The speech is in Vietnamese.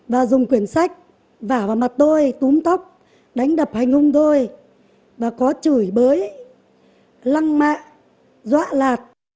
và có chửi bới lăng mạ dọa lạt